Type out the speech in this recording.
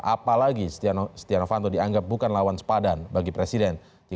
apalagi stiano fantom dianggap bukan lawan sepadan bagi presiden